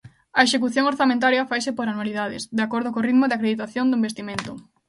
A execución orzamentaria faise por anualidades, de acordo co ritmo de acreditación do investimento.